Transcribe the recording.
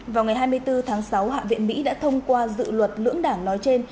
vào ngày hai mươi bốn tháng sáu hạ viện mỹ đã thông qua dự luật lưỡng đảng nói trên